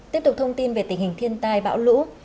tiếp tục thông tin về tình hình thiên tai bão lũ